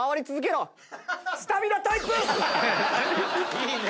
いいね。